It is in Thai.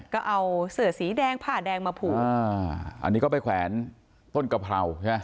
ก็เอาเสือสีแดงผ้าแดงมาผูกอ่าอันนี้ก็ไปแขวนต้นกะเพราใช่ไหม